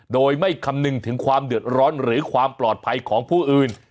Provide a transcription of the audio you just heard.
โดยไม่คำนึงถึงความเดือดร้อนหรือความปลอดภัยของผู้อื่น